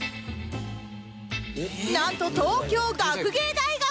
なんと東京学芸大学